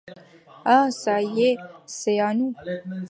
Ah, ça y est, c’est à nous.